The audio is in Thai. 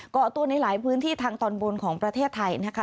เกาะตัวในหลายพื้นที่ทางตอนบนของประเทศไทยนะคะ